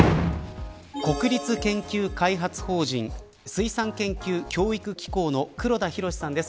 国立研究開発法人水産研究・教育機構の黒田寛さんです。